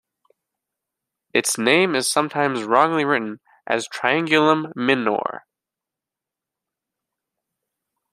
Its name is sometimes wrongly written as Triangulum Min"or".